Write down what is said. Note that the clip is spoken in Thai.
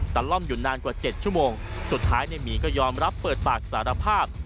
ล่อมอยู่นานกว่า๗ชั่วโมงสุดท้ายในหมีก็ยอมรับเปิดปากสารภาพ